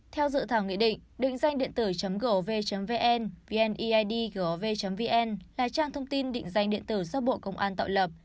theo dự thảo nghị định địnhdanhdiện tử gov vn là trang thông tin định danh điện tử do bộ công an tạo lập